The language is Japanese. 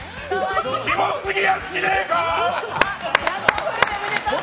キモすぎやしねぇか！！